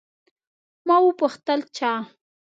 ما وپوښتل، چا؟